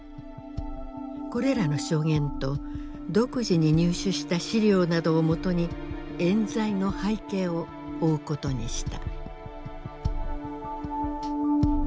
これらの証言と独自に入手した資料などを基に冤罪の背景を追うことにした。